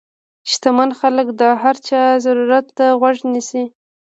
شتمن خلک د هر چا ضرورت ته غوږ نیسي.